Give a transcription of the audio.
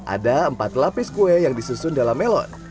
ada empat lapis kue yang disusun dalam melon